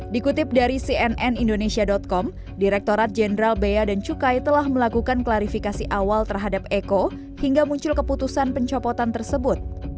dikutip dari cnn indonesia com direkturat jenderal bea dan cukai telah melakukan klarifikasi awal terhadap eko hingga muncul keputusan pencopotan tersebut